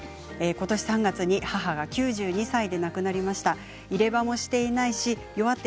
ことし３月に母が９２歳で亡くなりました。